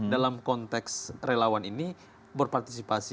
dalam konteks relawan ini berpartisipasi